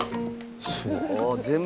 あぁ全部。